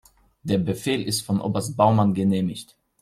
Der Befehl ist von Oberst Baumann genehmigt.